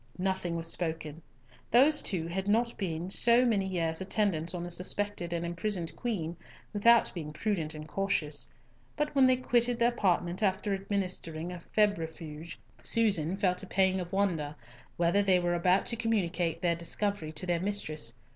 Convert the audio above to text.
Nothing was spoken. Those two had not been so many years attendants on a suspected and imprisoned queen without being prudent and cautious; but when they quitted the apartment after administering a febrifuge, Susan felt a pang of wonder, whether they were about to communicate their discovery to their mistress.